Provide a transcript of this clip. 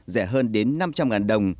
rẻ hơn đến năm trăm linh ngàn đồng